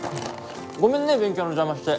ごめんね勉強の邪魔して。